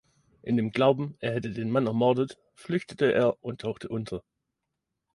In dem Glauben, er hätte den Mann ermordet, flüchtete er und tauchte unter.